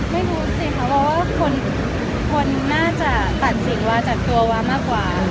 ไม่รู้สิค่ะวาคนน่าจะตัดสิ่งวาจากตัวว้ามากกว่า